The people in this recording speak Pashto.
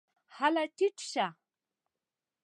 هله ټیټ شه !